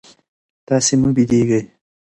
تاسي مه بېدېږئ.